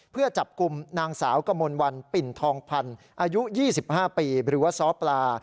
เพื่อจับกลุ่มนางสาวกมลวันปิ่นทองพันธ์อายุ๒๕ปีหรือว่าซ้อปลา